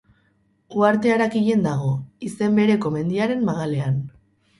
Uharte Arakilen dago, izen bereko mendiaren magalean.